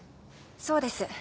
そうです。